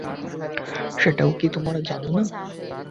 সেটাও কি তোমরা জানো না?